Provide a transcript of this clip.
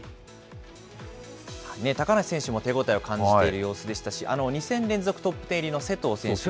高梨選手も手応えを感じている様子でしたし、２戦連続トップ１０入りの勢藤選手も。